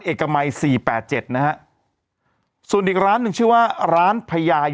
เอกมัยสี่แปดเจ็ดนะฮะส่วนอีกร้านถึงชื่อว่าร้านพยาย